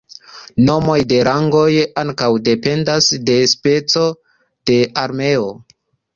Nomoj de rangoj ankaŭ dependas de speco de armeo.